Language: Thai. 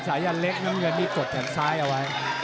สายันเล็กน้ำเงินนี่กดแขนซ้ายเอาไว้